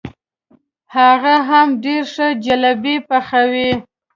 هغه هم ډېرې ښې جلبۍ پخوي.